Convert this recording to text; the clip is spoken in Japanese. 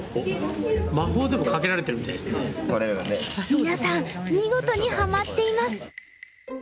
皆さん見事にハマっています。